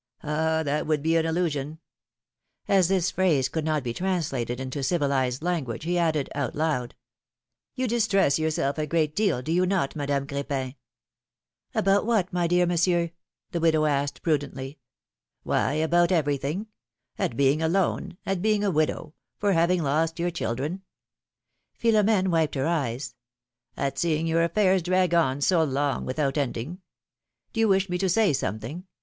Ah ! that would be an illusion !" As this phrase could not be translated into civilized language, he added, out loud : You distress yourself a great deal, do you not, Madame Cr^pin?" ^^About what, my dear Monsieur?" the widow asked, prudently. philomI:ne's marriages. 29 ^^Why, about everything! At being alone, at being a widow, for having lost your children — Philom^ne wiped her eyes. ^^At seeing your affairs drag on so long without ending — Do you wish rne to say something?